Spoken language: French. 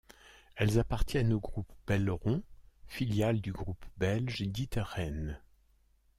Elles appartiennent au groupe Belron, filiale du groupe belge D'Ieteren.